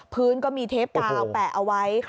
พื้นก็มีเทปกาวแปะเอาไว้